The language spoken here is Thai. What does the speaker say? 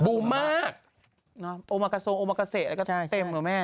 บูมมากโอมากาทรงโอมากาเซอะไรก็เต็มเหรอแม่